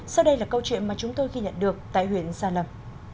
sau đây là câu chuyện mà chúng tôi ghi nhận được tại huyện gia lâm